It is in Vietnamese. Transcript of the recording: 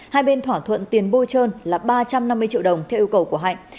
hai bên thỏa thuận tiền bôi trơn là ba trăm năm mươi triệu đồng theo yêu cầu của hạnh